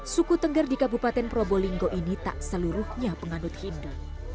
suku tengger di kabupaten probolinggo ini tak seluruhnya penganut hindu